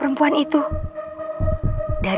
aku mau ke kamar